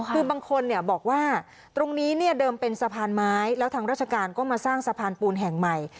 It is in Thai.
คือบางคนเนี่ยบอกว่าตรงนี้เนี่ยเดิมเป็นสะพานไม้แล้วทางราชการก็มาสร้างสะพานปูนแห่งใหม่